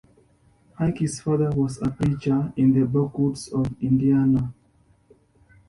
Hickey's father was a preacher in the backwoods of Indiana.